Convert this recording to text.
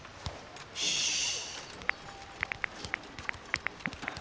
よし。